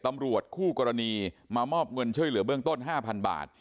ตำรวจคู่กรณีมามอบเงินช่วยเหลือเบื้องต้น๕๐๐บาท